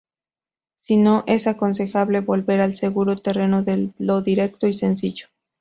Si no, es aconsejable volver al seguro terreno de lo directo y sencillo.